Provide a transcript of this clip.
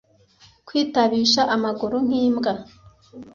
kwitabisha amaguru nk'imbwa